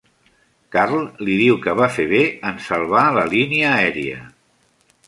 Carl li diu que va fer bé en salvar la línia aèria.